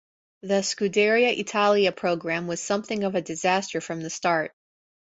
The Scuderia Italia programme was something of a disaster from the start.